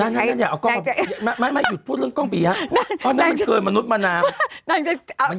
ก็ไม่อยู่สู้เรื่องกล้องปีนะมนุษย์มนาคมนางใช่เขาแค่